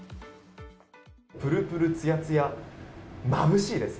プルプル、つやつやまぶしいです。